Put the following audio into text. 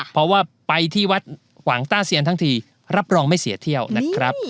เพราะว่าไปที่วัดหวังต้าเซียนทั้งทีรับรองไม่เสียเที่ยวนะครับ